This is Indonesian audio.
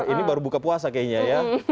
ini baru buka puasa kayaknya ya